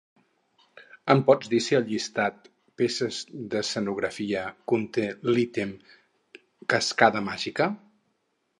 Em pots dir si el llistat "Peces d'escenografia" conté l'ítem "cascada màgica"?